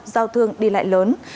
giao thương đi lại lớn